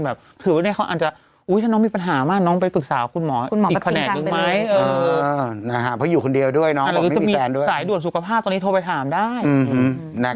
แบบถือไว้ในครั้งนี้อาจจะโอ๊ยถ้าน้อง